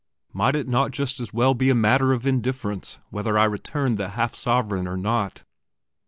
Might it not just as well be a matter of indifference whether I returned the half sovereign or not?